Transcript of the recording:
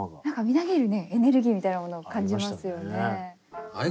何かみなぎるねエネルギーみたいなものを感じますよね。